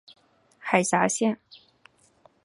海峡线。